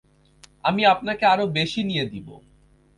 আমি আপনাকে আরও বেশি নিয়ে দিব।